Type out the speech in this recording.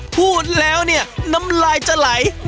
พูดแล้วเนี่ยน้ำลายจะไหล